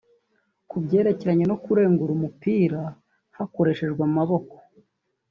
Ku byerekeranye no kurengura umupira hakoreshejwe amaboko